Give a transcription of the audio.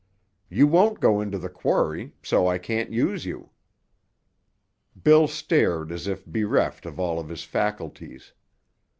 "You won't go into the quarry, so I can't use you." Bill stared as if bereft of all of his faculties.